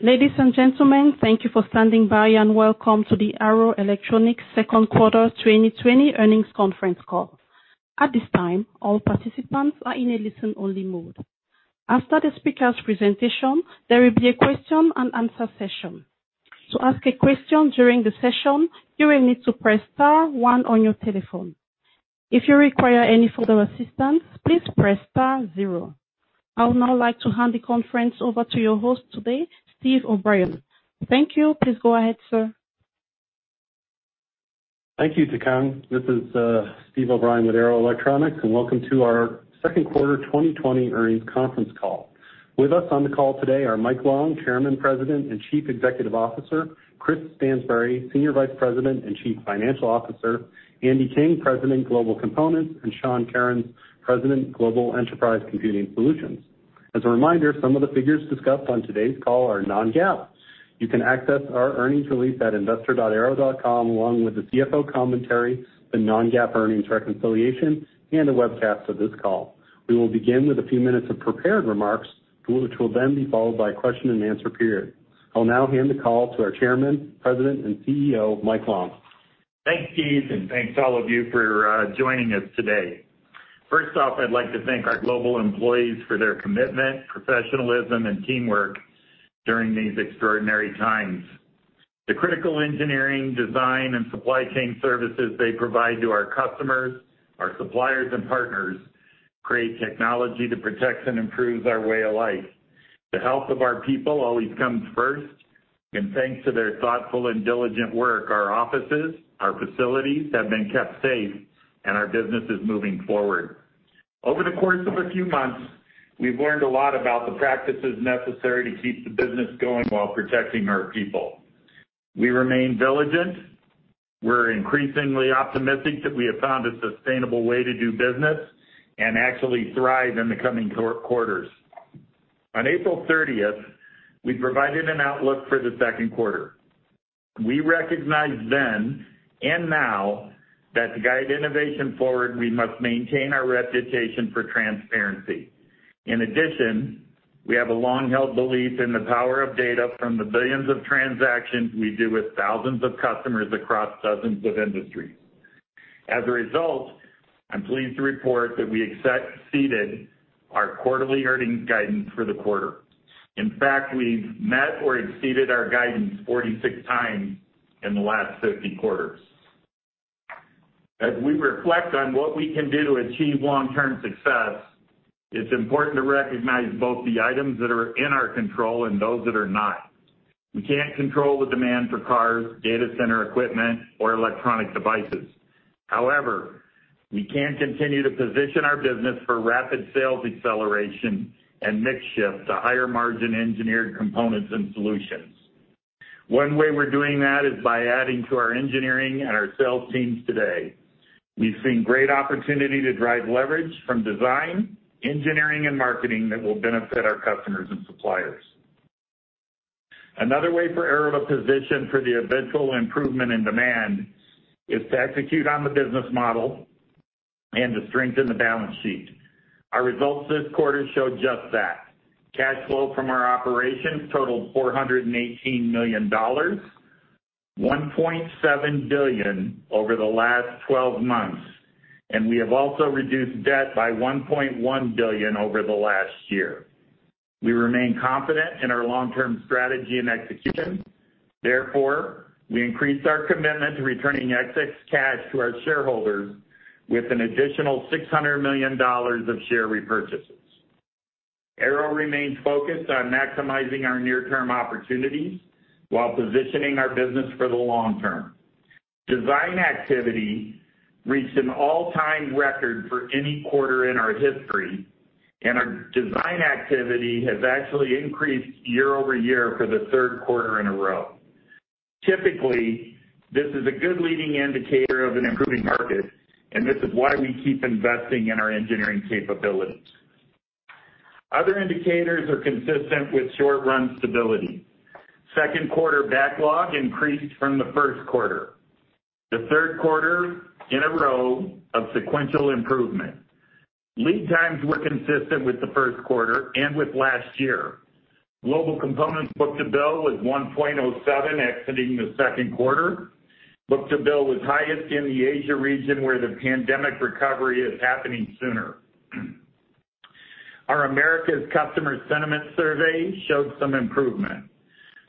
Ladies and gentlemen, thank you for standing by, and welcome to the Arrow Electronics second quarter 2020 earnings conference call. At this time, all participants are in a listen-only mode. After the speakers' presentation, there will be a question-and-answer session. To ask a question during the session, you will need to press star one on your telephone. If you require any further assistance, please press star zero. I would now like to hand the conference over to your host today, Steve O'Brien. Thank you. Please go ahead, sir. Thank you, Takang. This is Steve O'Brien with Arrow Electronics, and welcome to our second quarter 2020 earnings conference call. With us on the call today are Mike Long, Chairman, President, and Chief Executive Officer, Chris Stansbury, Senior Vice President and Chief Financial Officer, Andy King, President, Global Components, and Sean Kerins, President, Global Enterprise Computing Solutions. As a reminder, some of the figures discussed on today's call are non-GAAP. You can access our earnings release at investor.arrow.com, along with the CFO commentary, the non-GAAP earnings reconciliation, and a webcast of this call. We will begin with a few minutes of prepared remarks, which will then be followed by a question-and-answer period. I'll now hand the call to our Chairman, President, and CEO, Mike Long. Thanks, Steve, and thanks to all of you for joining us today. First off, I'd like to thank our global employees for their commitment, professionalism, and teamwork during these extraordinary times. The critical engineering, design, and supply chain services they provide to our customers, our suppliers, and partners, create technology that protects and improves our way of life. The health of our people always comes first, and thanks to their thoughtful and diligent work, our offices, our facilities, have been kept safe, and our business is moving forward. Over the course of a few months, we've learned a lot about the practices necessary to keep the business going while protecting our people. We remain diligent. We're increasingly optimistic that we have found a sustainable way to do business and actually thrive in the coming quarters. On April thirtieth, we provided an outlook for the second quarter. We recognized then, and now, that to guide innovation forward, we must maintain our reputation for transparency. In addition, we have a long-held belief in the power of data from the billions of transactions we do with thousands of customers across dozens of industries. As a result, I'm pleased to report that we exceeded our quarterly earnings guidance for the quarter. In fact, we've met or exceeded our guidance 46 times in the last 50 quarters. As we reflect on what we can do to achieve long-term success, it's important to recognize both the items that are in our control and those that are not. We can't control the demand for cars, data center equipment, or electronic devices. However, we can continue to position our business for rapid sales acceleration and mix shift to higher-margin engineered components and solutions. One way we're doing that is by adding to our engineering and our sales teams today. We've seen great opportunity to drive leverage from design, engineering, and marketing that will benefit our customers and suppliers. Another way for Arrow to position for the eventual improvement in demand is to execute on the business model and to strengthen the balance sheet. Our results this quarter showed just that. Cash flow from our operations totaled $418 million, $1.7 billion over the last 12 months, and we have also reduced debt by $1.1 billion over the last year. We remain confident in our long-term strategy and execution. Therefore, we increased our commitment to returning excess cash to our shareholders with an additional $600 million of share repurchases. Arrow remains focused on maximizing our near-term opportunities while positioning our business for the long term. Design activity reached an all-time record for any quarter in our history, and our design activity has actually increased year-over-year for the third quarter in a row. Typically, this is a good leading indicator of an improving market, and this is why we keep investing in our engineering capabilities. Other indicators are consistent with short-run stability. Second quarter backlog increased from the first quarter, the third quarter in a row of sequential improvement. Lead times were consistent with the first quarter and with last year. Global Components book-to-bill was 1.07, exiting the second quarter. Book-to-bill was highest in the Asia region, where the pandemic recovery is happening sooner. Our Americas Customer Sentiment Survey showed some improvement.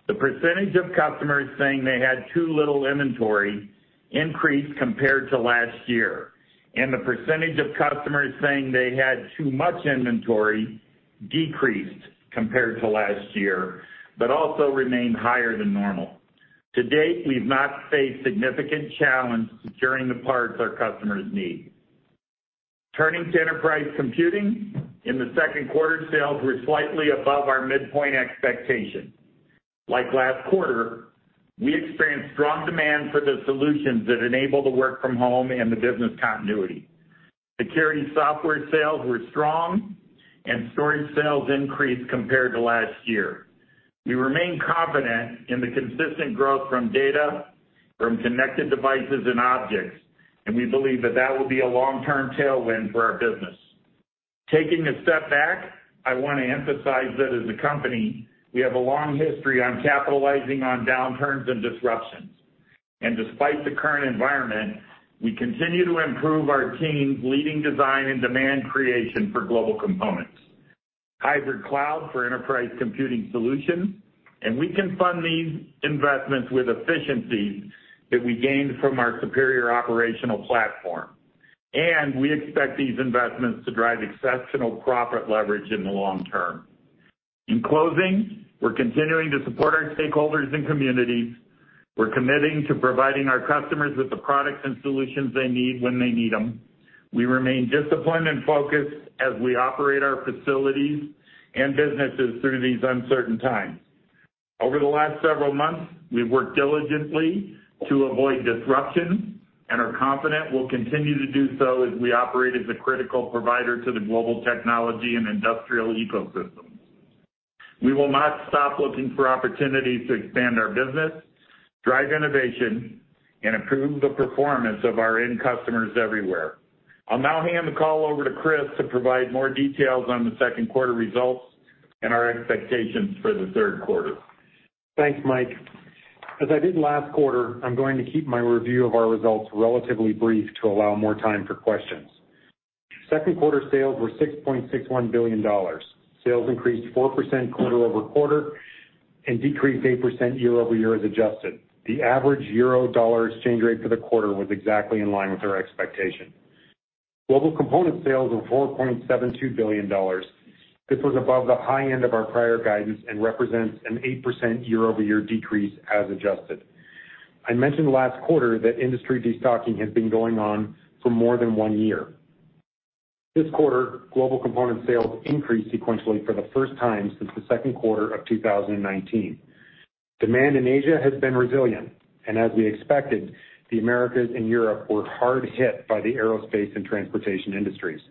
The percentage of customers saying they had too little inventory increased compared to last year, and the percentage of customers saying they had too much inventory decreased compared to last year, but also remained higher than normal. To date, we've not faced significant challenge securing the parts our customers need. Turning to enterprise computing, in the second quarter, sales were slightly above our midpoint expectation. Like last quarter, we experienced strong demand for the solutions that enable the work from home and the business continuity. Security software sales were strong and storage sales increased compared to last year. We remain confident in the consistent growth from data, from connected devices and objects, and we believe that that will be a long-term tailwind for our business.... Taking a step back, I want to emphasize that as a company, we have a long history on capitalizing on downturns and disruptions. Despite the current environment, we continue to improve our team's leading design and demand creation for Global Components, hybrid cloud for Enterprise Computing Solutions, and we can fund these investments with efficiencies that we gained from our superior operational platform. We expect these investments to drive exceptional profit leverage in the long term. In closing, we're continuing to support our stakeholders and communities. We're committing to providing our customers with the products and solutions they need when they need them. We remain disciplined and focused as we operate our facilities and businesses through these uncertain times. Over the last several months, we've worked diligently to avoid disruption and are confident we'll continue to do so as we operate as a critical provider to the global technology and industrial ecosystems. We will not stop looking for opportunities to expand our business, drive innovation, and improve the performance of our end customers everywhere. I'll now hand the call over to Chris to provide more details on the second quarter results and our expectations for the third quarter. Thanks, Mike. As I did last quarter, I'm going to keep my review of our results relatively brief to allow more time for questions. Second quarter sales were $6.61 billion. Sales increased 4% quarter-over-quarter and decreased 8% year-over-year as adjusted. The average euro/dollar exchange rate for the quarter was exactly in line with our expectation. Global Component sales were $4.72 billion. This was above the high end of our prior guidance and represents an 8% year-over-year decrease as adjusted. I mentioned last quarter that industry destocking has been going on for more than one year. This quarter, Global Component sales increased sequentially for the first time since the second quarter of 2019. Demand in Asia has been resilient, and as we expected, the Americas and Europe were hard hit by the aerospace and transportation industries.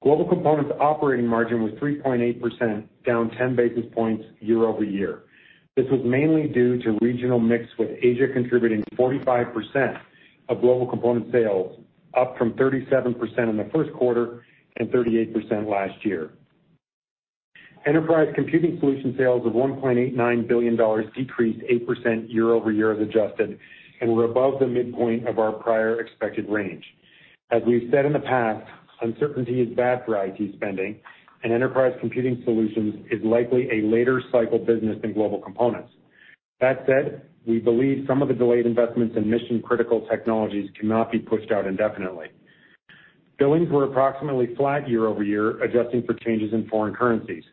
Global Components operating margin was 3.8%, down 10 basis points year-over-year. This was mainly due to regional mix, with Asia contributing 45% of Global Components sales, up from 37% in the first quarter and 38% last year. Enterprise Computing Solutions sales of $1.89 billion decreased 8% year-over-year as adjusted, and were above the midpoint of our prior expected range. As we've said in the past, uncertainty is bad for IT spending, and Enterprise Computing Solutions is likely a later cycle business than Global Components. That said, we believe some of the delayed investments in mission-critical technologies cannot be pushed out indefinitely. Billings were approximately flat year-over-year, adjusting for changes in foreign currencies.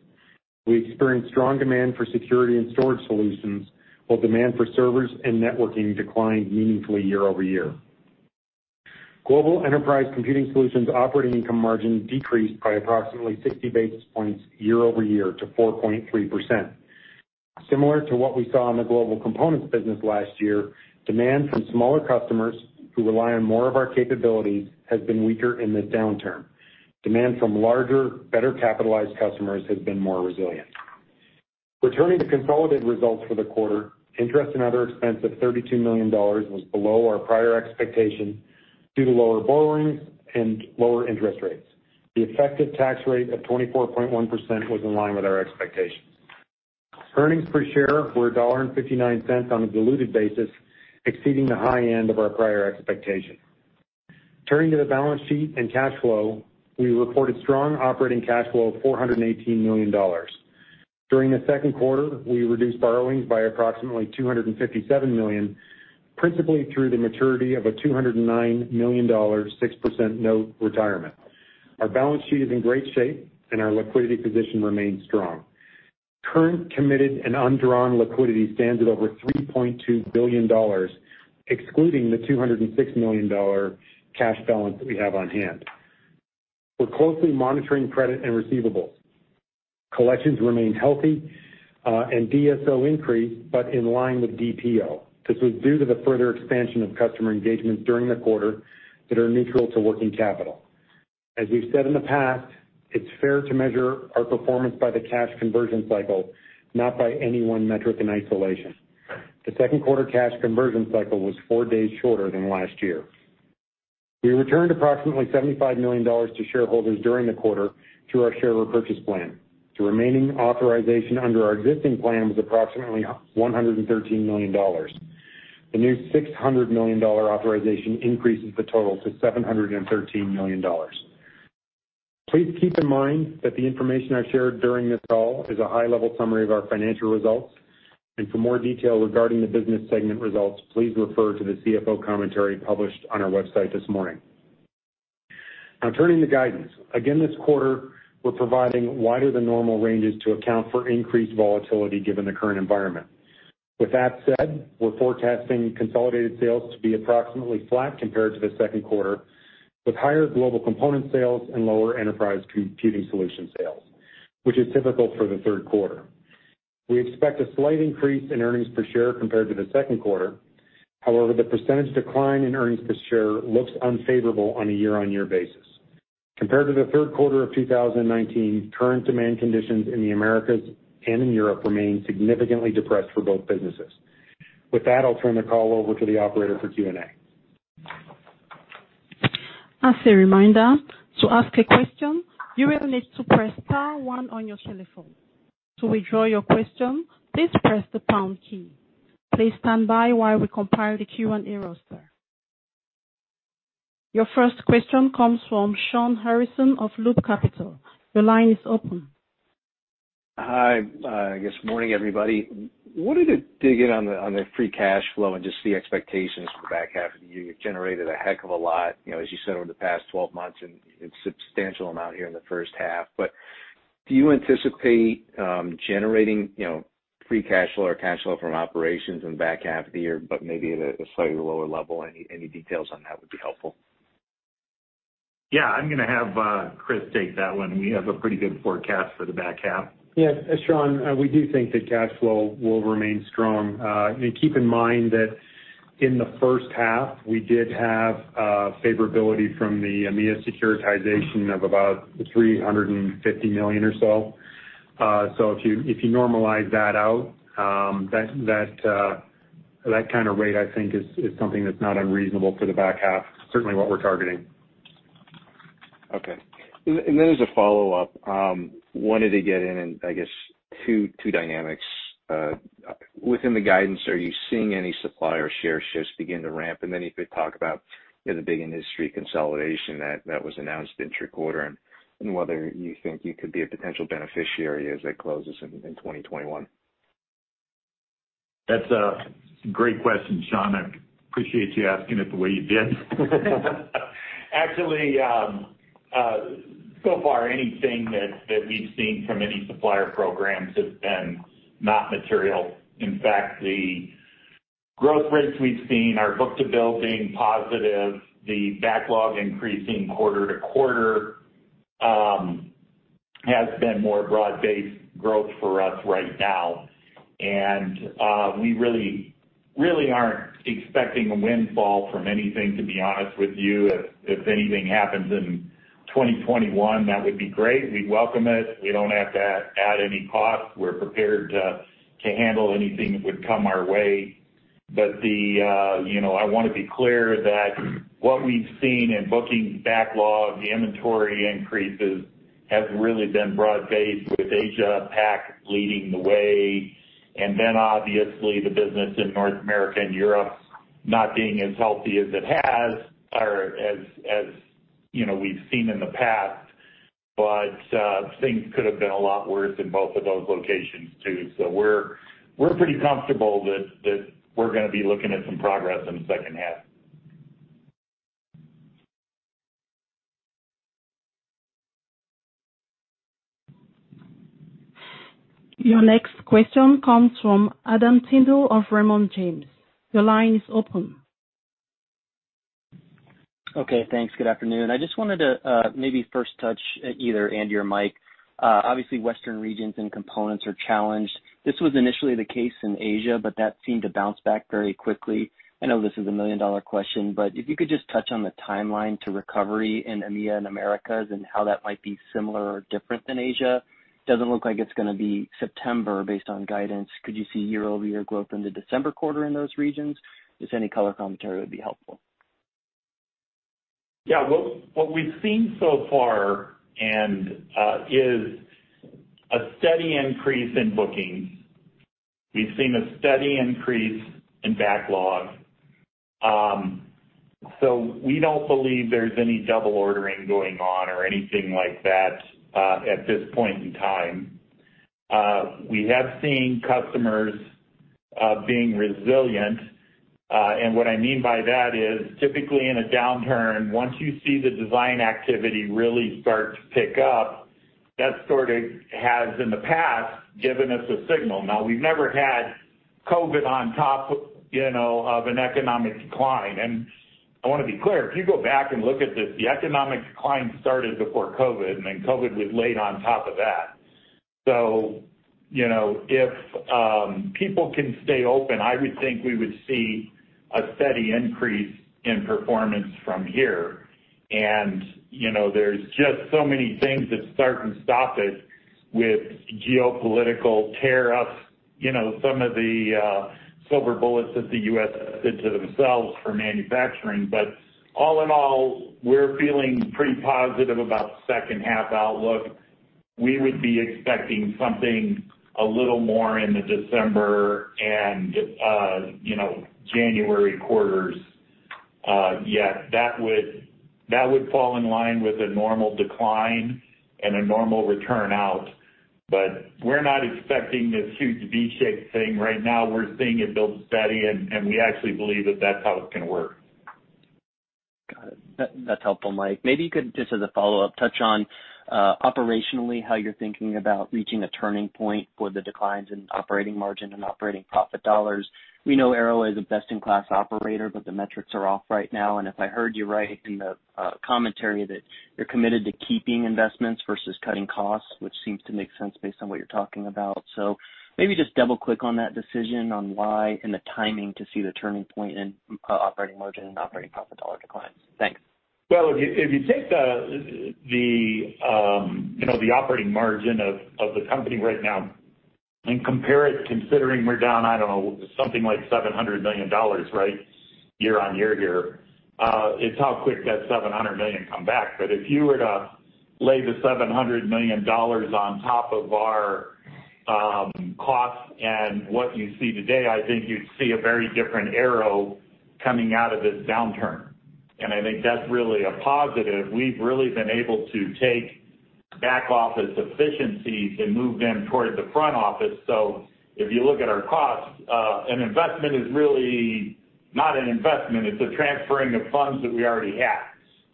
We experienced strong demand for security and storage solutions, while demand for servers and networking declined meaningfully year-over-year. Global Enterprise Computing Solutions operating income margin decreased by approximately 60 basis points year-over-year to 4.3%. Similar to what we saw in the Global Components business last year, demand from smaller customers who rely on more of our capabilities has been weaker in this downturn. Demand from larger, better capitalized customers has been more resilient. Returning to consolidated results for the quarter, interest and other expense of $32 million was below our prior expectation due to lower borrowings and lower interest rates. The effective tax rate of 24.1% was in line with our expectations. Earnings per share were $1.59 on a diluted basis, exceeding the high end of our prior expectation. Turning to the balance sheet and cash flow, we reported strong operating cash flow of $418 million. During the second quarter, we reduced borrowings by approximately $257 million, principally through the maturity of a $209 million, 6% note retirement. Our balance sheet is in great shape, and our liquidity position remains strong. Current, committed, and undrawn liquidity stands at over $3.2 billion, excluding the $206 million cash balance that we have on hand. We're closely monitoring credit and receivables. Collections remain healthy, and DSO increased, but in line with DPO. This was due to the further expansion of customer engagements during the quarter that are neutral to working capital. As we've said in the past, it's fair to measure our performance by the cash conversion cycle, not by any one metric in isolation. The second quarter cash conversion cycle was four days shorter than last year. We returned approximately $75 million to shareholders during the quarter through our share repurchase plan. The remaining authorization under our existing plan was approximately $113 million. The new $600 million dollar authorization increases the total to $713 million. Please keep in mind that the information I've shared during this call is a high-level summary of our financial results, and for more detail regarding the business segment results, please refer to the CFO commentary published on our website this morning. Now turning to guidance. Again, this quarter, we're providing wider than normal ranges to account for increased volatility given the current environment. With that said, we're forecasting consolidated sales to be approximately flat compared to the second quarter, with higher Global Components sales and lower Enterprise Computing Solutions sales, which is typical for the third quarter. We expect a slight increase in earnings per share compared to the second quarter. However, the percentage decline in earnings per share looks unfavorable on a year-on-year basis. Compared to the third quarter of 2019, current demand conditions in the Americas and in Europe remain significantly depressed for both businesses. With that, I'll turn the call over to the operator for Q&A. As a reminder, to ask a question, you will need to press star one on your telephone. To withdraw your question, please press the pound key. Please stand by while we compile the Q&A roster. Your first question comes from Shawn Harrison of Loop Capital. Your line is open. Hi. I guess morning, everybody. Wanted to dig in on the free cash flow and just the expectations for the back half of the year. You've generated a heck of a lot, you know, as you said, over the past 12 months, and a substantial amount here in the first half. But do you anticipate generating, you know, free cash flow or cash flow from operations in the back half of the year, but maybe at a slightly lower level? Any details on that would be helpful. Yeah, I'm gonna have, Chris take that one. We have a pretty good forecast for the back half. Yes, Sean, we do think that cash flow will remain strong. And keep in mind that in the first half, we did have favorability from the EMEA securitization of about $350 million or so. So if you, if you normalize that out, that, that, that kind of rate, I think is, is something that's not unreasonable for the back half, certainly what we're targeting. Okay. And then as a follow-up, wanted to get in, I guess, two dynamics. Within the guidance, are you seeing any supplier share shifts begin to ramp? And then if you could talk about the big industry consolidation that was announced this quarter, and whether you think you could be a potential beneficiary as it closes in 2021. That's a great question, Sean. I appreciate you asking it the way you did. Actually, so far, anything that we've seen from any supplier programs has been not material. In fact, the growth rates we've seen, our book-to-bill being positive, the backlog increasing quarter to quarter, has been more broad-based growth for us right now. And, we really, really aren't expecting a windfall from anything, to be honest with you. If anything happens in 2021, that would be great. We'd welcome it. We don't have to add any cost. We're prepared to handle anything that would come our way. But you know, I want to be clear that what we've seen in bookings, backlog, the inventory increases has really been broad-based with Asia Pac leading the way, and then obviously the business in North America and Europe not being as healthy as it has or as you know we've seen in the past. But things could have been a lot worse in both of those locations, too. So we're pretty comfortable that we're gonna be looking at some progress in the second half. Your next question comes from Adam Tindle of Raymond James. Your line is open. Okay, thanks. Good afternoon. I just wanted to, maybe first touch, either Andy or Mike. Obviously, western regions and components are challenged. This was initially the case in Asia, but that seemed to bounce back very quickly. I know this is a million-dollar question, but if you could just touch on the timeline to recovery in EMEA and Americas and how that might be similar or different than Asia. Doesn't look like it's gonna be September based on guidance. Could you see year-over-year growth in the December quarter in those regions? Just any color commentary would be helpful. Yeah, what we've seen so far and is a steady increase in bookings. We've seen a steady increase in backlog. So we don't believe there's any double ordering going on or anything like that at this point in time. We have seen customers being resilient. And what I mean by that is, typically in a downturn, once you see the design activity really start to pick up, that sort of has, in the past, given us a signal. Now, we've never had COVID on top, you know, of an economic decline. And I want to be clear, if you go back and look at this, the economic decline started before COVID, and then COVID was laid on top of that. So, you know, if people can stay open, I would think we would see a steady increase in performance from here. You know, there's just so many things that start and stop it with geopolitical tariffs, you know, some of the silver bullets that the U.S. did to themselves for manufacturing. But all in all, we're feeling pretty positive about the second half outlook. We would be expecting something a little more in the December and, you know, January quarters. Yet that would, that would fall in line with a normal decline and a normal return out, but we're not expecting this huge V-shaped thing right now. We're seeing it build steady, and, and we actually believe that that's how it's gonna work. Got it. That's helpful, Mike. Maybe you could, just as a follow-up, touch on, operationally, how you're thinking about reaching a turning point for the declines in operating margin and operating profit dollars. We know Arrow is a best-in-class operator, but the metrics are off right now, and if I heard you right in the, commentary, that you're committed to keeping investments versus cutting costs, which seems to make sense based on what you're talking about. So maybe just double-click on that decision on why and the timing to see the turning point in, operating margin and operating profit dollar declines. Thanks. Well, if you take the, you know, the operating margin of the company right now and compare it considering we're down, I don't know, something like $700 million, right? Year on year here, it's how quick that $700 million come back. But if you were to lay the $700 million on top of our costs and what you see today, I think you'd see a very different Arrow coming out of this downturn, and I think that's really a positive. We've really been able to take back office efficiencies and move them towards the front office. So if you look at our costs, an investment is really not an investment, it's a transferring of funds that we already had.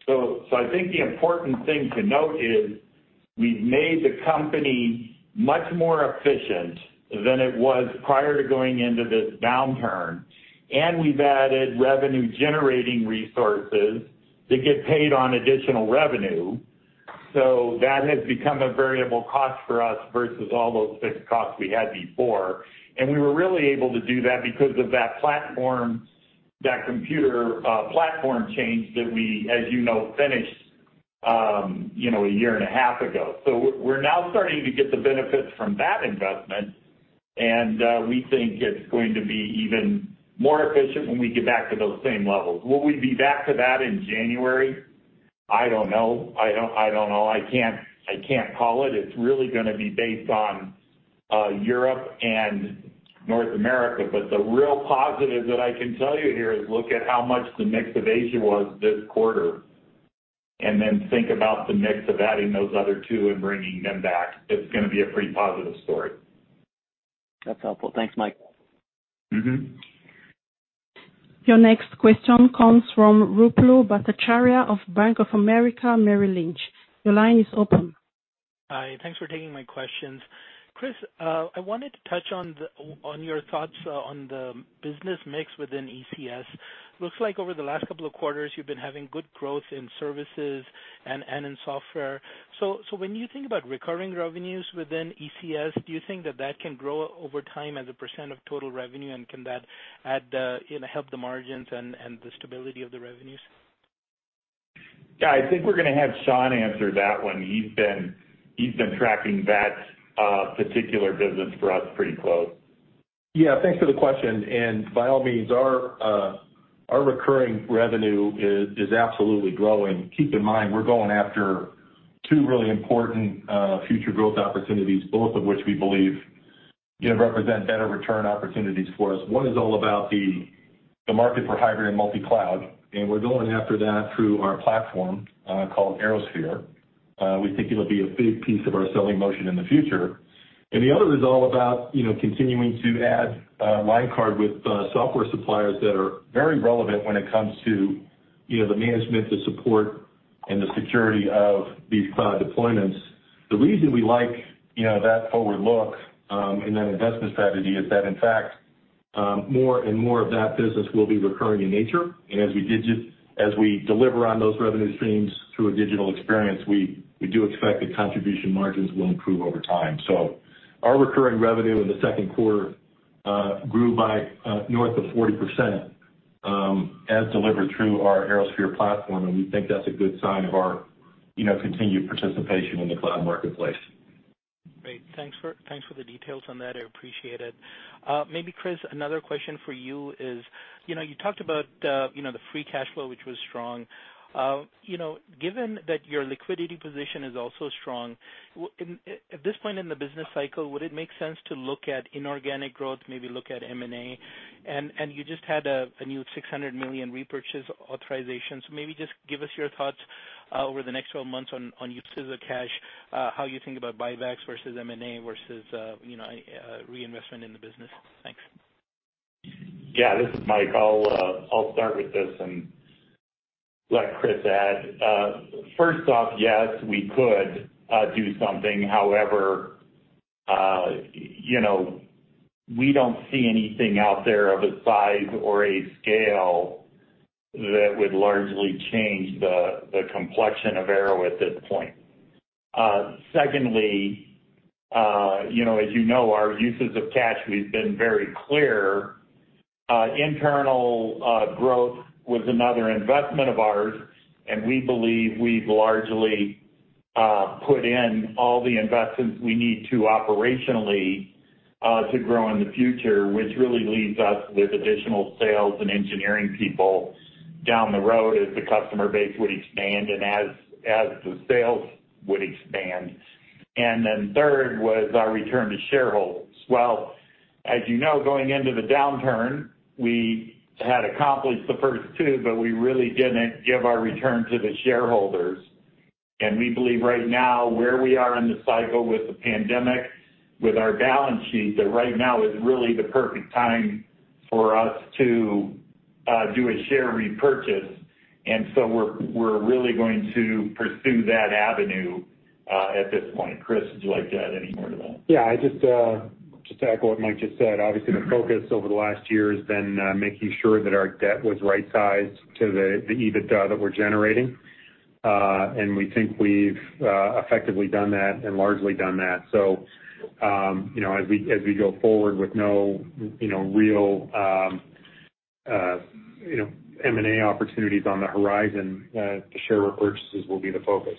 So, so I think the important thing to note is, we've made the company much more efficient than it was prior to going into this downturn, and we've added revenue-generating resources that get paid on additional revenue. So that has become a variable cost for us versus all those fixed costs we had before. And we were really able to do that because of that platform, that computer, platform change that we, as you know, finished, you know, a year and a half ago. So we're now starting to get the benefits from that investment, and, we think it's going to be even more efficient when we get back to those same levels. Will we be back to that in January? I don't know. I don't, I don't know. I can't, I can't call it. It's really gonna be based on, Europe and North America. But the real positive that I can tell you here is look at how much the mix of Asia was this quarter, and then think about the mix of adding those other two and bringing them back. It's gonna be a pretty positive story. That's helpful. Thanks, Mike. Mm-hmm. Your next question comes from Ruplu Bhattacharya of Bank of America Merrill Lynch. Your line is open. Hi, thanks for taking my questions. Chris, I wanted to touch on your thoughts on the business mix within ECS. Looks like over the last couple of quarters, you've been having good growth in services and in software. So when you think about recurring revenues within ECS, do you think that can grow over time as a percent of total revenue? And can that add, you know, help the margins and the stability of the revenues? Yeah, I think we're gonna have Sean answer that one. He's been, he's been tracking that particular business for us pretty close. Yeah, thanks for the question, and by all means, our recurring revenue is absolutely growing. Keep in mind, we're going after two really important future growth opportunities, both of which we believe, you know, represent better return opportunities for us. One is all about the market for hybrid and multi-cloud, and we're going after that through our platform called ArrowSphere. We think it'll be a big piece of our selling motion in the future. And the other is all about, you know, continuing to add line card with software suppliers that are very relevant when it comes to, you know, the management, the support, and the security of these cloud deployments. The reason we like, you know, that forward look and that investment strategy is that, in fact, more and more of that business will be recurring in nature. And as we deliver on those revenue streams through a digital experience, we, we do expect the contribution margins will improve over time. So our recurring revenue in the second quarter grew by north of 40%, as delivered through our ArrowSphere platform, and we think that's a good sign of our, you know, continued participation in the cloud marketplace. Great. Thanks for the details on that. I appreciate it. Maybe Chris, another question for you is, you know, you talked about, you know, the free cash flow, which was strong. You know, given that your liquidity position is also strong, at this point in the business cycle, would it make sense to look at inorganic growth, maybe look at M&A? And you just had a new $600 million repurchase authorization. So maybe just give us your thoughts over the next 12 months on uses of cash, how you think about buybacks versus M&A versus, you know, reinvestment in the business. Thanks. Yeah, this is Mike. I'll start with this and let Chris add. First off, yes, we could do something. However, you know, we don't see anything out there of a size or a scale that would largely change the complexion of Arrow at this point. Secondly, you know, as you know, our uses of cash, we've been very clear, internal growth was another investment of ours, and we believe we've largely put in all the investments we need to operationally to grow in the future, which really leaves us with additional sales and engineering people down the road as the customer base would expand and as the sales would expand. And then third was our return to shareholders. Well, as you know, going into the downturn, we had accomplished the first two, but we really didn't give our return to the shareholders. We believe right now, where we are in the cycle with the pandemic, with our balance sheet, that right now is really the perfect time for us to do a share repurchase, and so we're really going to pursue that avenue at this point. Chris, would you like to add any more to that? Yeah, I just, just to add what Mike just said, obviously, the focus over the last year has been making sure that our debt was right-sized to the EBITDA that we're generating. And we think we've effectively done that and largely done that. So, you know, as we go forward with no, you know, real... you know, M&A opportunities on the horizon, the share repurchases will be the focus.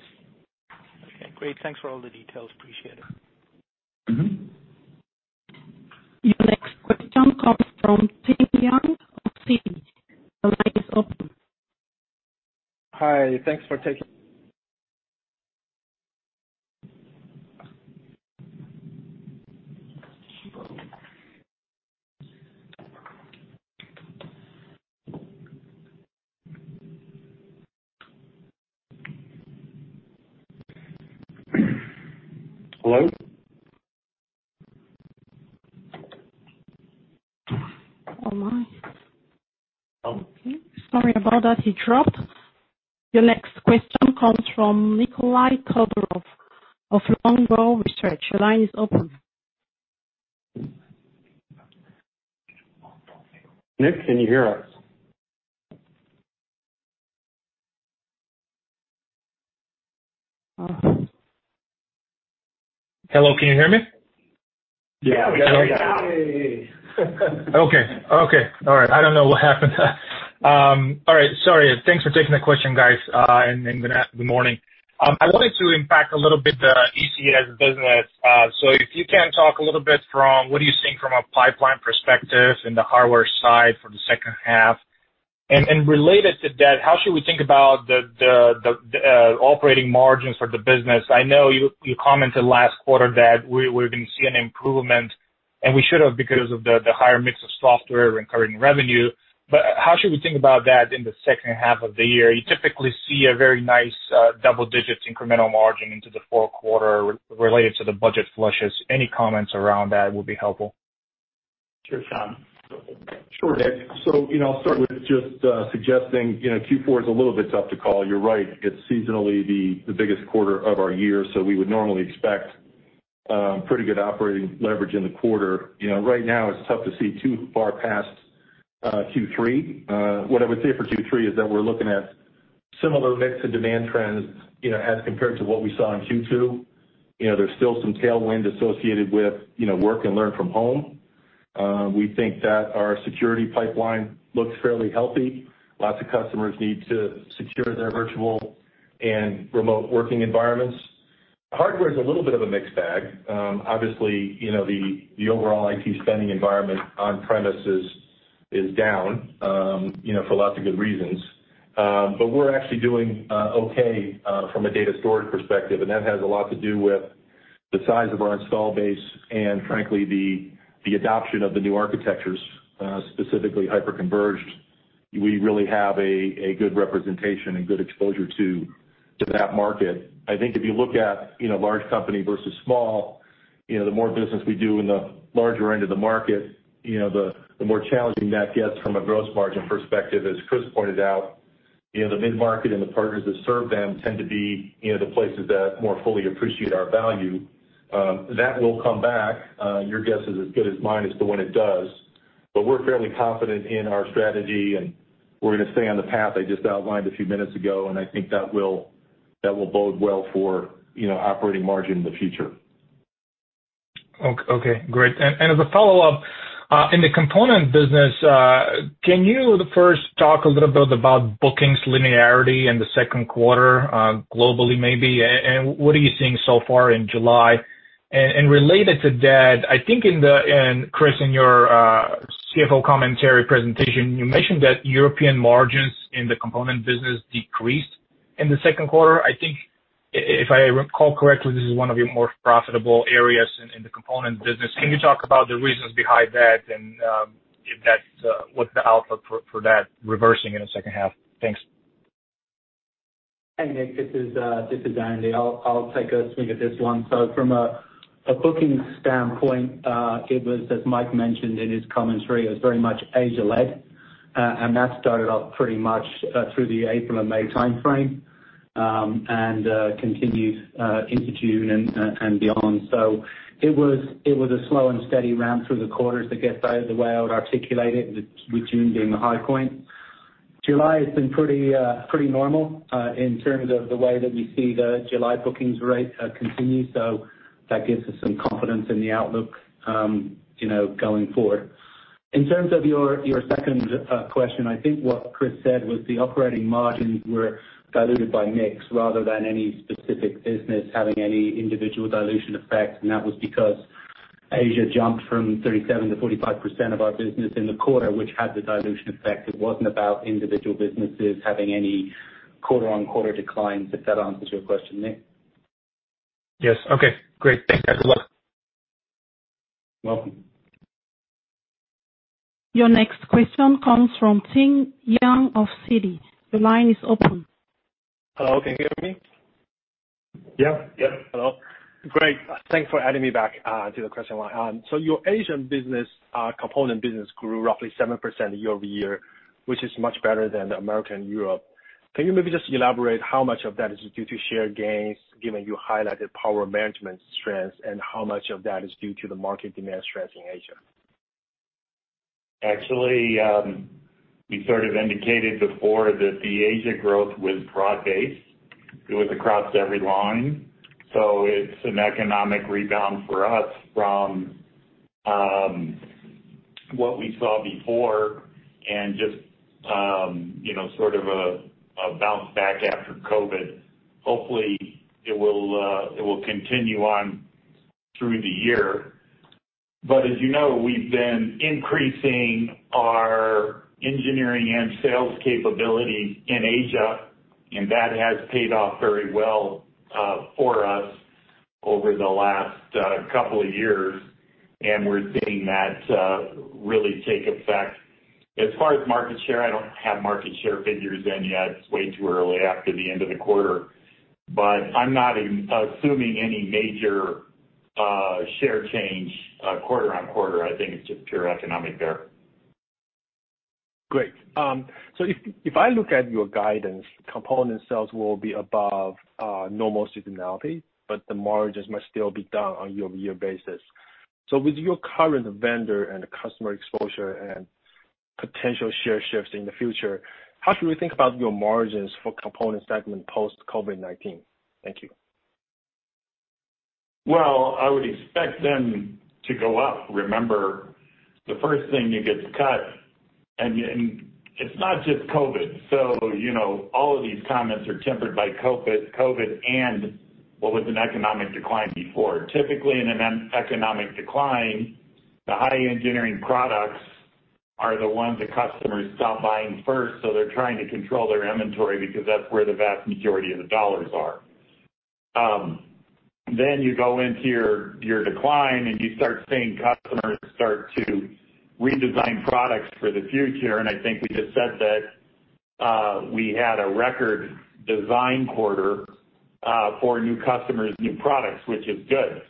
Okay, great. Thanks for all the details. Appreciate it. Mm-hmm. Your next question comes from Tianxiao Hou of Citi. The line is open. Hi, thanks for taking - Hello? Oh, my. Sorry about that, he dropped. Your next question comes from Nikolay Todorov of Longbow Research. The line is open. Nick, can you hear us? Uh. Hello, can you hear me? Yeah, we can hear you. Okay. Okay. All right. I don't know what happened. All right. Sorry. Thanks for taking the question, guys, and good morning. I wanted to impact a little bit the ECS business. So if you can talk a little bit from what are you seeing from a pipeline perspective in the hardware side for the second half? And related to that, how should we think about the operating margins for the business? I know you commented last quarter that we're going to see an improvement, and we should have because of the higher mix of software and recurring revenue. But how should we think about that in the second half of the year? You typically see a very nice double digits incremental margin into the fourth quarter related to the budget flushes. Any comments around that would be helpful. Sure, Tom. Sure, Nick. So, you know, I'll start with just suggesting, you know, Q4 is a little bit tough to call. You're right, it's seasonally the biggest quarter of our year, so we would normally expect pretty good operating leverage in the quarter. You know, right now it's tough to see too far past Q3. What I would say for Q3 is that we're looking at similar mix and demand trends, you know, as compared to what we saw in Q2. You know, there's still some tailwind associated with, you know, work and learn from home. We think that our security pipeline looks fairly healthy. Lots of customers need to secure their virtual and remote working environments. Hardware is a little bit of a mixed bag. Obviously, you know, the overall IT spending environment on premises is down, you know, for lots of good reasons. But we're actually doing okay from a data storage perspective, and that has a lot to do with the size of our install base, and frankly, the adoption of the new architectures, specifically hyperconverged. We really have a good representation and good exposure to that market. I think if you look at, you know, large company versus small, you know, the more business we do in the larger end of the market, you know, the more challenging that gets from a gross margin perspective, as Chris pointed out. You know, the mid-market and the partners that serve them tend to be, you know, the places that more fully appreciate our value. That will come back. Your guess is as good as mine as to when it does, but we're fairly confident in our strategy, and we're going to stay on the path I just outlined a few minutes ago, and I think that will, that will bode well for, you know, operating margin in the future. Okay, great. And as a follow-up, in the component business, can you first talk a little bit about bookings linearity in the second quarter, globally, maybe? And what are you seeing so far in July? And related to that, I think, and Chris, in your CFO commentary presentation, you mentioned that European margins in the component business decreased in the second quarter. I think if I recall correctly, this is one of your more profitable areas in the component business. Can you talk about the reasons behind that, and if that's what's the outlook for that reversing in the second half? Thanks. Hey, Nick, this is Andy. I'll take a swing at this one. So from a booking standpoint, it was, as Mike mentioned in his commentary, it was very much Asia-led. And that started off pretty much through the April and May timeframe, and continued into June and beyond. So it was a slow and steady ramp through the quarter, to get out of the way I would articulate it, with June being the high point. July has been pretty normal in terms of the way that we see the July bookings rate continue. So that gives us some confidence in the outlook, you know, going forward. In terms of your, your second question, I think what Chris said was the operating margins were diluted by mix rather than any specific business having any individual dilution effect, and that was because Asia jumped from 37%-45% of our business in the quarter, which had the dilution effect. It wasn't about individual businesses having any quarter-on-quarter decline. If that answers your question, Nick. Yes. Okay, great. Thanks, guys. Bye. Welcome. Your next question comes from Tianxiao Hou of Citi. The line is open. Hello, can you hear me? Yeah. Yep. Hello. Great. Thanks for adding me back to the question line. So your Asian business, component business grew roughly 7% year-over-year, which is much better than the Americas and Europe. Can you maybe just elaborate how much of that is due to share gains, given you highlighted power management strengths, and how much of that is due to the market demand strengths in Asia? Actually, we sort of indicated before that the Asia growth was broad-based.... it was across every line. So it's an economic rebound for us from, what we saw before and just, you know, sort of a bounce back after COVID. Hopefully, it will, it will continue on through the year. But as you know, we've been increasing our engineering and sales capability in Asia, and that has paid off very well, for us over the last, couple of years, and we're seeing that, really take effect. As far as market share, I don't have market share figures in yet. It's way too early after the end of the quarter, but I'm not assuming any major, share change, quarter-on-quarter. I think it's just pure economic there. Great. So if I look at your guidance, component sales will be above normal seasonality, but the margins must still be down on year-over-year basis. So with your current vendor and customer exposure and potential share shifts in the future, how should we think about your margins for component segment post-COVID-19? Thank you. Well, I would expect them to go up. Remember, the first thing that gets cut, and it's not just COVID. So, you know, all of these comments are tempered by COVID, and what was an economic decline before. Typically, in an economic decline, the high engineering products are the ones the customers stop buying first, so they're trying to control their inventory because that's where the vast majority of the dollars are. Then you go into your decline, and you start seeing customers start to redesign products for the future. And I think we just said that we had a record design quarter for new customers, new products, which is good.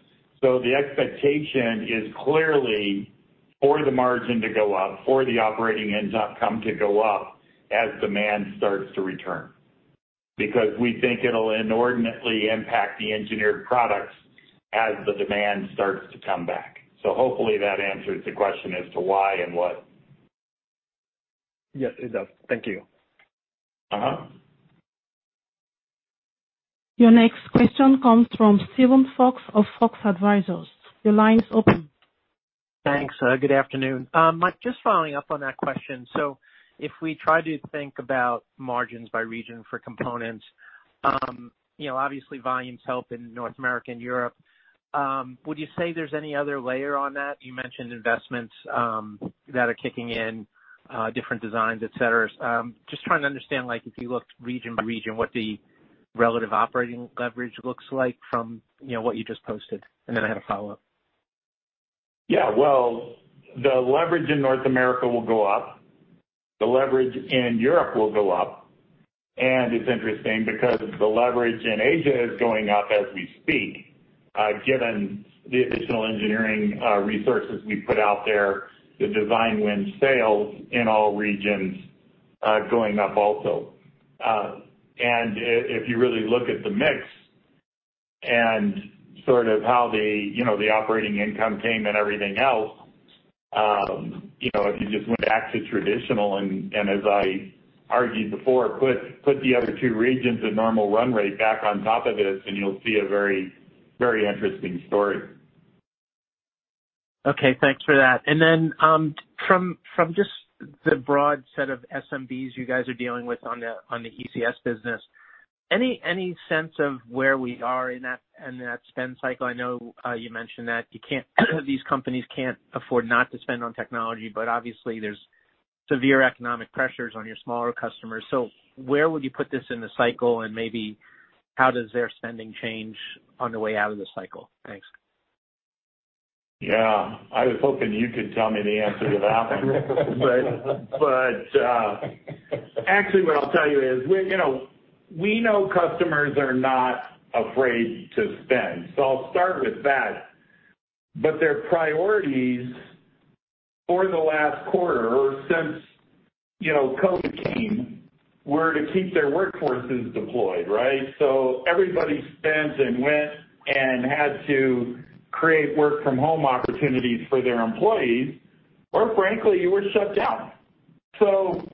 So the expectation is clearly for the margin to go up, for the operating income to go up as demand starts to return. Because we think it'll inordinately impact the engineered products as the demand starts to come back. So hopefully that answers the question as to why and what. Yes, it does. Thank you. Uh-huh. Your next question comes from Steven Fox of Fox Advisors. Your line is open. Thanks, good afternoon. Mike, just following up on that question. So if we try to think about margins by region for components, you know, obviously, volumes help in North America and Europe. Would you say there's any other layer on that? You mentioned investments that are kicking in, different designs, et cetera. Just trying to understand, like, if you looked region by region, what the relative operating leverage looks like from, you know, what you just posted. And then I had a follow-up. Yeah, well, the leverage in North America will go up, the leverage in Europe will go up, and it's interesting because the leverage in Asia is going up as we speak, given the additional engineering resources we put out there, the design wins sales in all regions, going up also. And if you really look at the mix and sort of how the, you know, the operating income came and everything else, you know, if you just went back to traditional, and as I argued before, put the other two regions at normal run rate back on top of this, and you'll see a very, very interesting story. Okay, thanks for that. And then, from just the broad set of SMBs you guys are dealing with on the ECS business, any sense of where we are in that spend cycle? I know, you mentioned that you can't— these companies can't afford not to spend on technology, but obviously there's severe economic pressures on your smaller customers. So where would you put this in the cycle, and maybe how does their spending change on the way out of the cycle? Thanks. Yeah. I was hoping you could tell me the answer to that one. But actually, what I'll tell you is, you know, we know customers are not afraid to spend, so I'll start with that. But their priorities for the last quarter or since, you know, COVID came, were to keep their workforces deployed, right? So everybody spent and went and had to create work from home opportunities for their employees, or frankly, you were shut down. So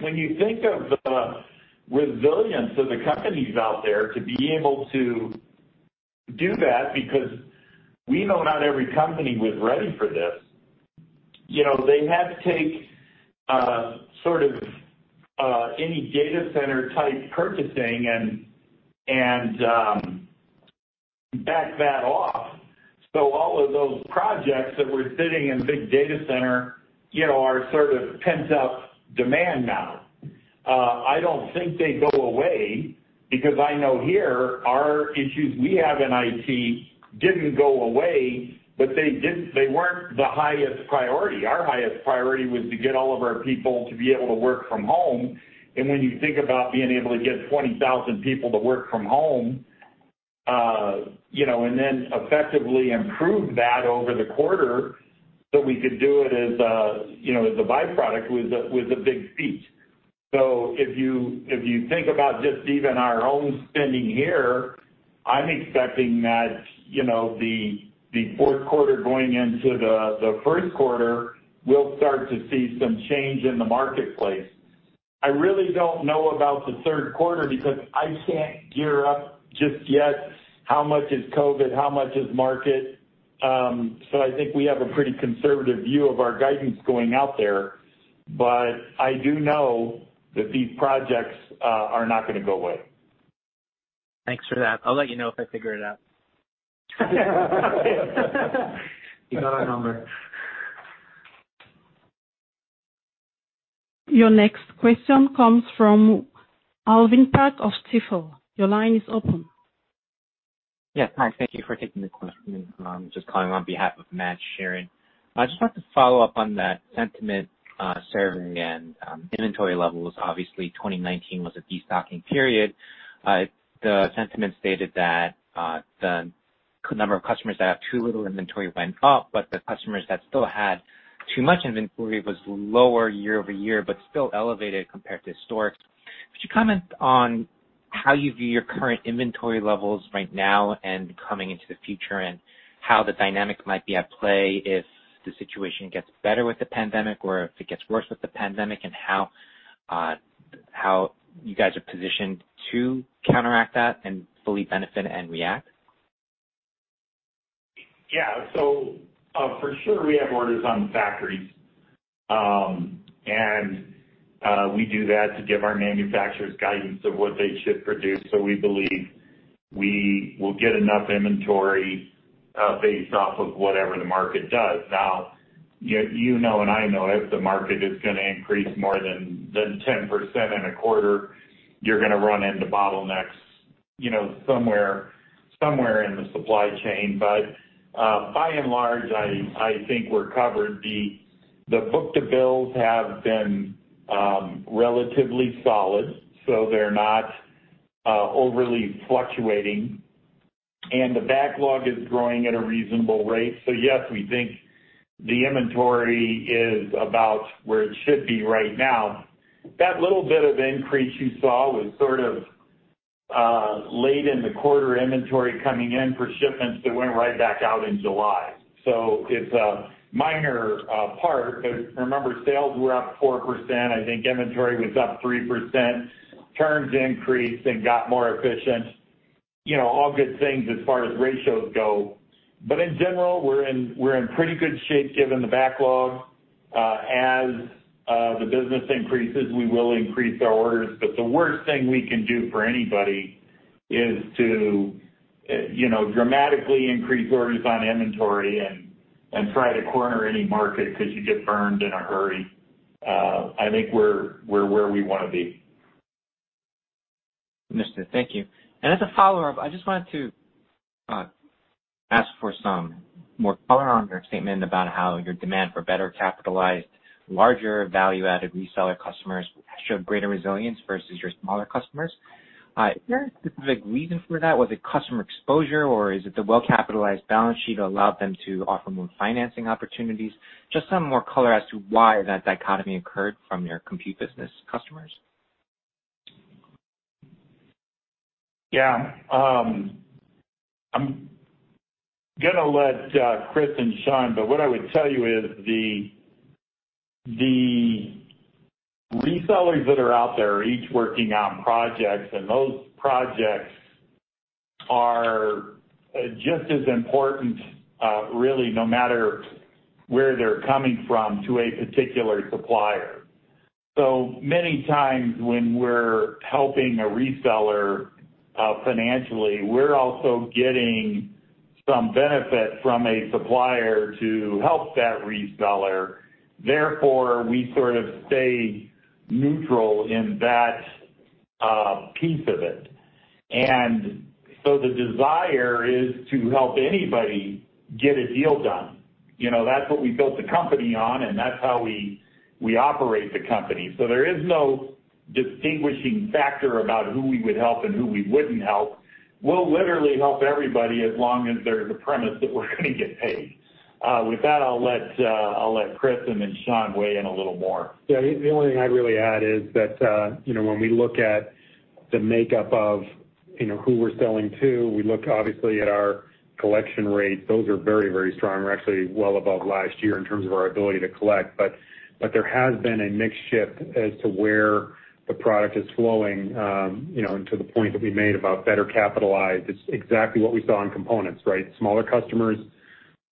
when you think of the resilience of the companies out there to be able to do that, because we know not every company was ready for this, you know, they had to take sort of any data center type purchasing and back that off. So all of those projects that were sitting in big data center, you know, are sort of pent up demand now. I don't think they go away because I know here, our issues we have in IT didn't go away, but they didn't, they weren't the highest priority. Our highest priority was to get all of our people to be able to work from home. And when you think about being able to get 20,000 people to work from home, you know, and then effectively improve that over the quarter, so we could do it as a, you know, as a byproduct was a, was a big feat. So if you, if you think about just even our own spending here, I'm expecting that, you know, the fourth quarter going into the first quarter, we'll start to see some change in the marketplace. I really don't know about the third quarter because I can't figure out just yet how much is COVID, how much is market. So, I think we have a pretty conservative view of our guidance going out there, but I do know that these projects are not gonna go away. Thanks for that. I'll let you know if I figure it out. You got our number. Your next question comes from Alvin Park of Stifel. Your line is open. Yes, hi. Thank you for taking the question. Just calling on behalf of Matt Sheerin. I just wanted to follow up on that sentiment survey and inventory levels. Obviously, 2019 was a destocking period. The sentiment stated that the number of customers that have too little inventory went up, but the customers that still had too much inventory was lower year-over-year, but still elevated compared to historic. Could you comment on how you view your current inventory levels right now and coming into the future, and how the dynamic might be at play if the situation gets better with the pandemic, or if it gets worse with the pandemic, and how you guys are positioned to counteract that and fully benefit and react? Yeah. So, for sure, we have orders on the factories. And, we do that to give our manufacturers guidance of what they should produce. So we believe we will get enough inventory, based off of whatever the market does. Now, you know and I know, if the market is gonna increase more than 10% in a quarter, you're gonna run into bottlenecks, you know, somewhere, somewhere in the supply chain. But, by and large, I think we're covered. The book to bills have been relatively solid, so they're not overly fluctuating, and the backlog is growing at a reasonable rate. So yes, we think the inventory is about where it should be right now. That little bit of increase you saw was sort of, late in the quarter inventory coming in for shipments that went right back out in July. So it's a minor, part, but remember, sales were up 4%. I think inventory was up 3%. Turns increased and got more efficient, you know, all good things as far as ratios go. But in general, we're in, we're in pretty good shape, given the backlog. As, the business increases, we will increase our orders, but the worst thing we can do for anybody is to, you know, dramatically increase orders on inventory and, and try to corner any market, 'cause you get burned in a hurry. I think we're, we're where we wanna be. Understood. Thank you. As a follow-up, I just wanted to ask for some more color on your statement about how your demand for better capitalized, larger value-added reseller customers showed greater resilience versus your smaller customers. Is there a specific reason for that? Was it customer exposure, or is it the well-capitalized balance sheet that allowed them to offer more financing opportunities? Just some more color as to why that dichotomy occurred from your compute business customers. Yeah. I'm gonna let Chris and Sean, but what I would tell you is the resellers that are out there are each working on projects, and those projects are just as important, really, no matter where they're coming from, to a particular supplier. So many times when we're helping a reseller financially, we're also getting some benefit from a supplier to help that reseller, therefore, we sort of stay neutral in that piece of it. And so the desire is to help anybody get a deal done. You know, that's what we built the company on, and that's how we operate the company. So there is no distinguishing factor about who we would help and who we wouldn't help. We'll literally help everybody as long as there's a premise that we're gonna get paid. With that, I'll let Chris and then Sean weigh in a little more. Yeah, the only thing I'd really add is that, you know, when we look at the makeup of, you know, who we're selling to, we look obviously at our collection rate. Those are very, very strong. We're actually well above last year in terms of our ability to collect. But there has been a mixed shift as to where the product is flowing. You know, to the point that we made about better capitalized, it's exactly what we saw in components, right? Smaller customers,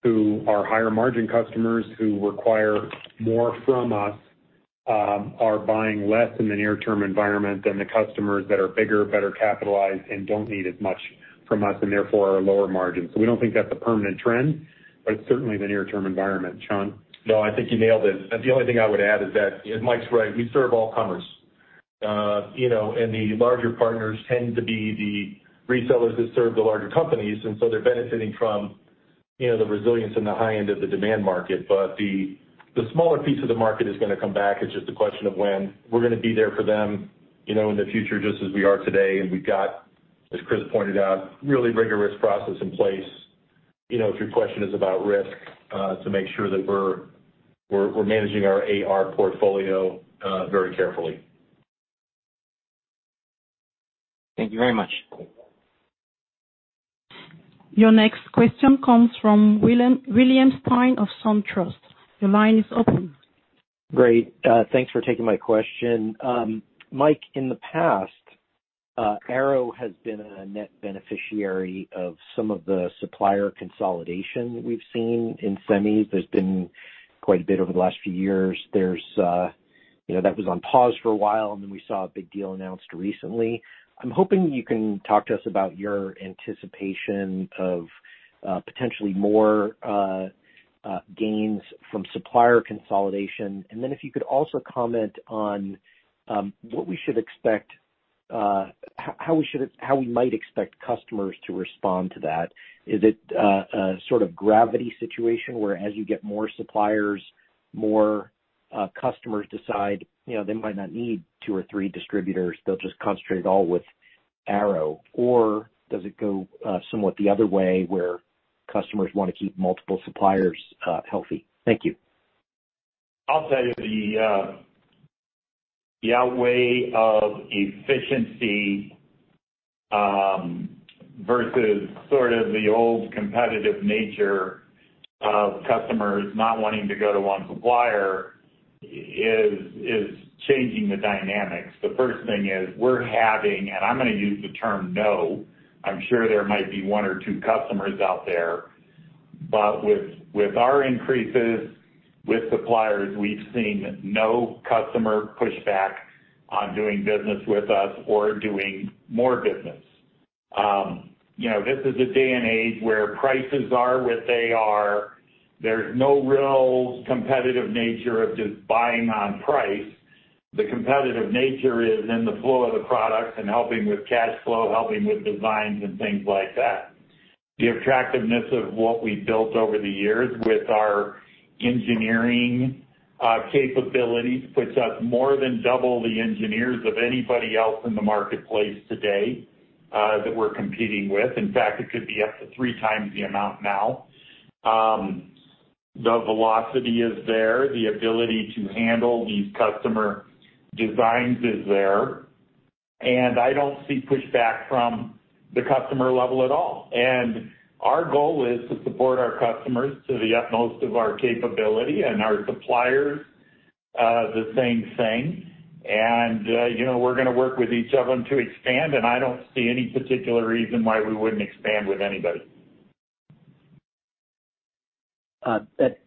who are higher margin customers, who require more from us, are buying less in the near-term environment than the customers that are bigger, better capitalized, and don't need as much from us, and therefore, are lower margin. So we don't think that's a permanent trend, but it's certainly the near-term environment. Sean? No, I think you nailed it. The only thing I would add is that, Mike's right, we serve all comers. You know, and the larger partners tend to be the resellers that serve the larger companies, and so they're benefiting from, you know, the resilience in the high end of the demand market. But the smaller piece of the market is gonna come back. It's just a question of when. We're gonna be there for them, you know, in the future, just as we are today, and we've got, as Chris pointed out, really rigorous process in place... you know, if your question is about risk, to make sure that we're managing our AR portfolio very carefully. Thank you very much. Your next question comes from William- William Stein of SunTrust. Your line is open. Great, thanks for taking my question. Mike, in the past, Arrow has been a net beneficiary of some of the supplier consolidation we've seen in semis. There's been quite a bit over the last few years. There's, you know, that was on pause for a while, and then we saw a big deal announced recently. I'm hoping you can talk to us about your anticipation of, potentially more, gains from supplier consolidation. And then if you could also comment on, what we should expect, how we might expect customers to respond to that. Is it, a sort of gravity situation, where as you get more suppliers, more, customers decide, you know, they might not need two or three distributors, they'll just concentrate it all with Arrow? Or does it go, somewhat the other way, where customers want to keep multiple suppliers, healthy? Thank you. I'll tell you, the outweighing of efficiency versus sort of the old competitive nature of customers not wanting to go to one supplier is changing the dynamics. The first thing is, we're having, and I'm gonna use the term no, I'm sure there might be one or two customers out there, but with our increases with suppliers, we've seen no customer pushback on doing business with us or doing more business. You know, this is a day and age where prices are what they are. There's no real competitive nature of just buying on price. The competitive nature is in the flow of the product and helping with cash flow, helping with designs and things like that. The attractiveness of what we've built over the years with our engineering capabilities puts us more than double the engineers of anybody else in the marketplace today that we're competing with. In fact, it could be up to three times the amount now. The velocity is there, the ability to handle these customer designs is there, and I don't see pushback from the customer level at all. Our goal is to support our customers to the utmost of our capability and our suppliers the same thing. And, you know, we're gonna work with each of them to expand, and I don't see any particular reason why we wouldn't expand with anybody.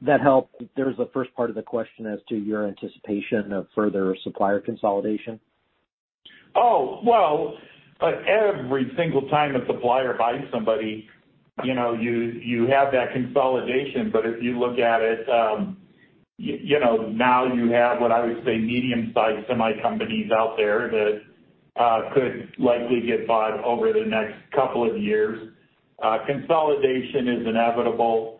That helped. There's a first part of the question as to your anticipation of further supplier consolidation. Oh, well, every single time a supplier buys somebody, you know, you have that consolidation, but if you look at it, you know, now you have what I would say, medium-sized semi companies out there that could likely get bought over the next couple of years. Consolidation is inevitable.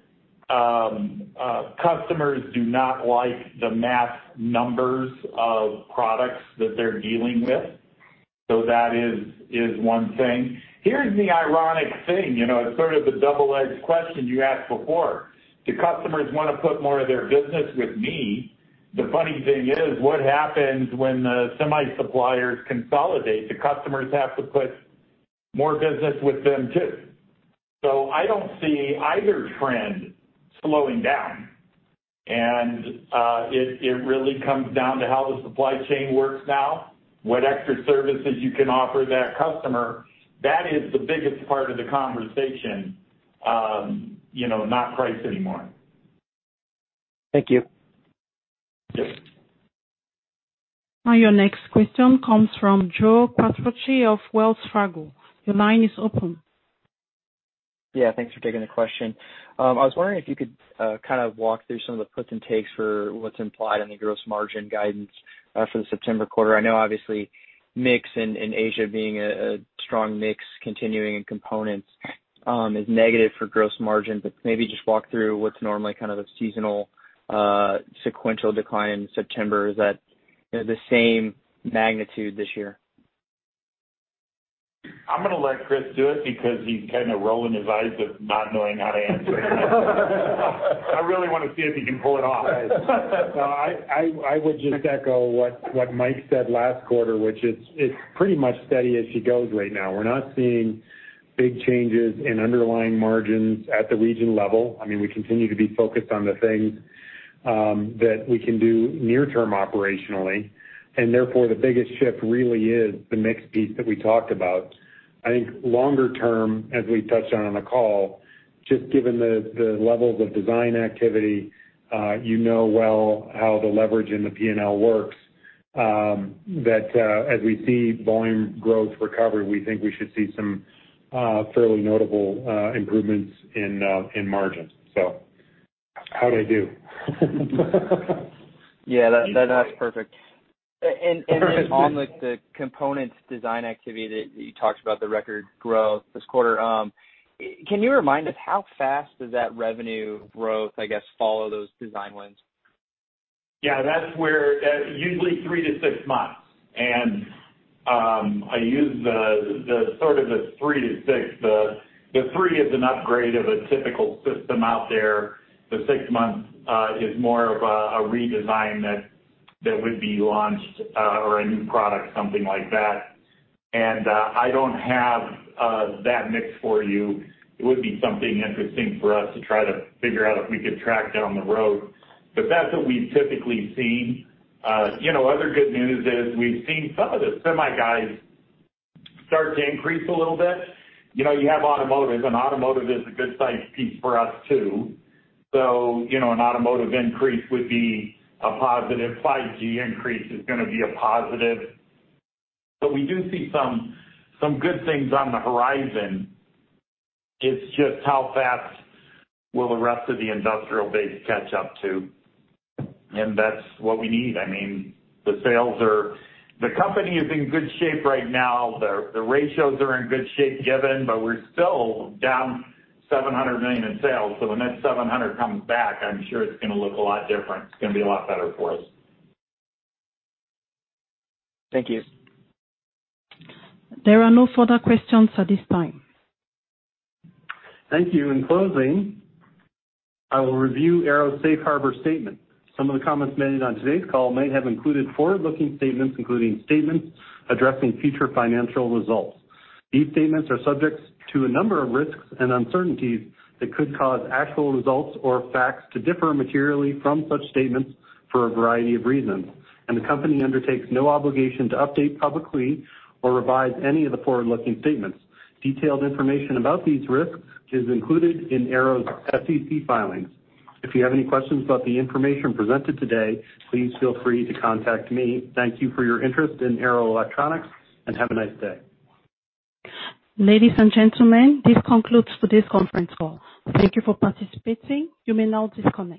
Customers do not like the mass numbers of products that they're dealing with, so that is one thing. Here's the ironic thing, you know, it's sort of the double-edged question you asked before. Do customers wanna put more of their business with me? The funny thing is, what happens when the semi suppliers consolidate? The customers have to put more business with them, too. So I don't see either trend slowing down, and it really comes down to how the supply chain works now, what extra services you can offer that customer. That is the biggest part of the conversation, you know, not price anymore. Thank you. Yes. Now your next question comes from Joe Quatrochi of Wells Fargo. Your line is open. Yeah, thanks for taking the question. I was wondering if you could kind of walk through some of the puts and takes for what's implied in the gross margin guidance for the September quarter. I know obviously, mix in Asia being a strong mix, continuing in components, is negative for gross margin, but maybe just walk through what's normally kind of the seasonal sequential decline in September, is that, you know, the same magnitude this year? I'm gonna let Chris do it because he's kind of rolling his eyes of not knowing how to answer. I really want to see if he can pull it off. I would just echo what Mike said last quarter, which is, it's pretty much steady as she goes right now. We're not seeing big changes in underlying margins at the region level. I mean, we continue to be focused on the things that we can do near term operationally, and therefore, the biggest shift really is the mix piece that we talked about. I think longer term, as we touched on, on the call, just given the levels of design activity, you know well how the leverage in the P&L works. That as we see volume growth recover, we think we should see some fairly notable improvements in margins. So how'd I do? Yeah, that's perfect. And on the components design activity that you talked about the record growth this quarter, can you remind us how fast does that revenue growth, I guess, follow those design wins?... Yeah, that's where usually 3-6 months. And I use the sort of the 3-6. The 3 is an upgrade of a typical system out there. The 6 months is more of a redesign that would be launched or a new product, something like that. And I don't have that mix for you. It would be something interesting for us to try to figure out if we could track down the road. But that's what we've typically seen. You know, other good news is we've seen some of the semi guys start to increase a little bit. You know, you have automotive, and automotive is a good size piece for us, too. So, you know, an automotive increase would be a positive. 5G increase is gonna be a positive. But we do see some good things on the horizon. It's just how fast will the rest of the industrial base catch up to? And that's what we need. I mean, the sales are. The company is in good shape right now. The ratios are in good shape given, but we're still down $700 million in sales. So when that $700 million comes back, I'm sure it's gonna look a lot different. It's gonna be a lot better for us. Thank you. There are no further questions at this time. Thank you. In closing, I will review Arrow's safe harbor statement. Some of the comments made on today's call may have included forward-looking statements, including statements addressing future financial results. These statements are subject to a number of risks and uncertainties that could cause actual results or facts to differ materially from such statements for a variety of reasons. The company undertakes no obligation to update publicly or revise any of the forward-looking statements. Detailed information about these risks is included in Arrow's SEC filings. If you have any questions about the information presented today, please feel free to contact me. Thank you for your interest in Arrow Electronics, and have a nice day. Ladies and gentlemen, this concludes today's conference call. Thank you for participating. You may now disconnect.